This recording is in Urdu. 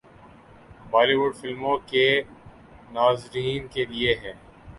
بالی ووڈ فلموں کے ناظرین کے لئے ہیں